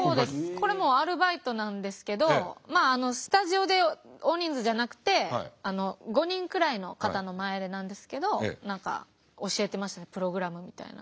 これもアルバイトなんですけどまあスタジオで大人数じゃなくて５人くらいの方の前でなんですけど何か教えてましたねプログラムみたいな。